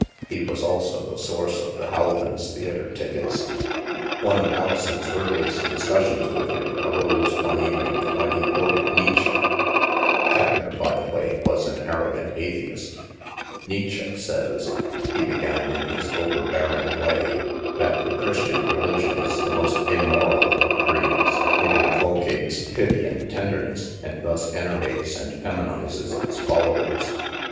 He was also the source of the Rowlands' theatre tickets. One of Alison's earliest discussions with him arose one evening when he quoted Nietzsche. Keppner, by the way, was an arrogant atheist. " Nietzsche says," he began in his overbearing way, "that the Christian religion is the most im moral of creeds. It inculcates pity and tenderness, and thus enervates and feminizes its followers.